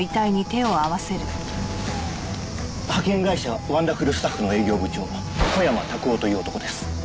派遣会社ワンダフルスタッフの営業部長小山卓夫という男です。